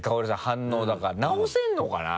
反応だから直せるのかな？